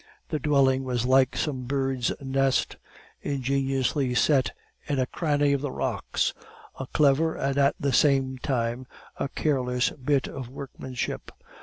The dwelling was like some bird's nest ingeniously set in a cranny of the rocks, a clever and at the same time a careless bit of workmanship.